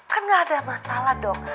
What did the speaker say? kan gak ada masalah dong